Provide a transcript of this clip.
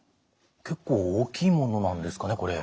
結構大きいものなんですかねこれ。